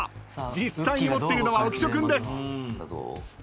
実際に持っているのは浮所君です。